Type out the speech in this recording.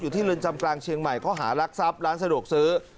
ที่เรือนจำกลางเชียงใหม่ข้อหารักทรัพย์ร้านสะดวกซื้อ